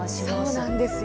そうなんですよ。